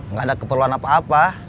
nggak ada keperluan apa apa